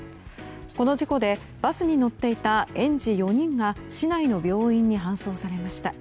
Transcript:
この事故でバスに乗っていた園児４人が市内の病院に搬送されました。